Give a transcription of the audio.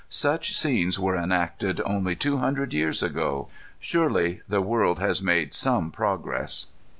Such scenes were enacted only two hundred years ago. Surely the world has made some progress.